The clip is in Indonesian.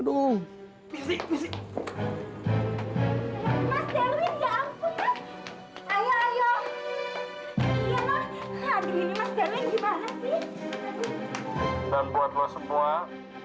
abang darwin harus lompat dari sini ayah